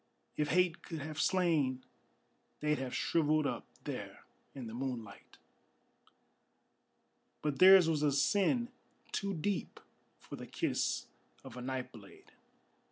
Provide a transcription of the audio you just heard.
If hate could have slain they'd have shrivelled up there in the moonlight; But theirs was a sin too deep for the kiss of a knife blade.